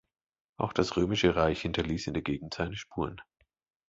Auch das römische Reich hinterließ in der Gegend seine Spuren.